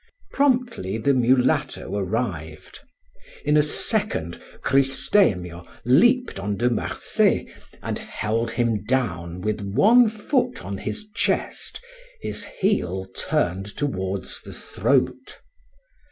Promptly the mulatto arrived. In a second Cristemio leaped on De Marsay and held him down with one foot on his chest, his heel turned towards the throat.